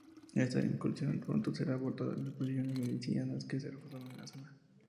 Esta incursión pronto fue abortada desde posiciones milicianas que se reforzaron en la zona.